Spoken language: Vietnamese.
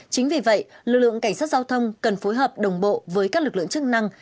chính vì vậy lực lượng cảnh sát giao thông cần phối hợp đồng bộ với các lực lượng chức năng